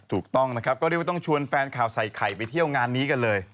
ถูกต้องนะครับก็เรียกว่าต้องชวนแฟนข่าวใส่ไข่ไปเที่ยวงานนี้กันเลย